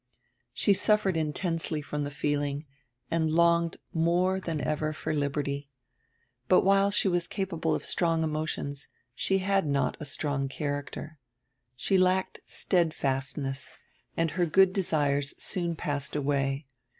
She suffered intensely from the feeling and longed more than ever for liberty. But while she was capable of strong emotions she had not a strong character. She lacked stead fastness and her good desires soon passed away.